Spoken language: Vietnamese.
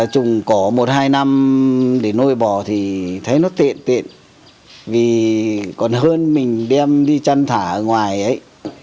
trồng cỏ một hai năm để nuôi bò thì thấy nó tiện tiện vì còn hơn mình đem đi chăn thả ở ngoài ấy